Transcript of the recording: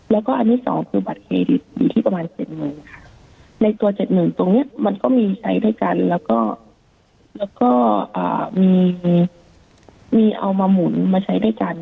แล้วก็อันที่สองคือบัตรเครดิตอยู่ที่ประมาณเจ็ดหมื่นค่ะในตัวเจ็ดหมื่นตรงเนี้ยมันก็มีใช้ด้วยกันแล้วก็มีมีเอามาหมุนมาใช้ด้วยกัน